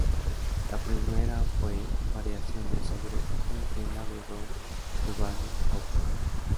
La primera fue "Variaciones sobre un tema de Don Giovanni" Op.